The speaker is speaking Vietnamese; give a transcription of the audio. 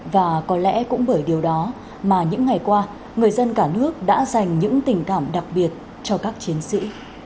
và có lẽ cũng bởi điều đó mà những ngày qua người dân cả nước đã dành những tình cảm đặc biệt cho các chiến sĩ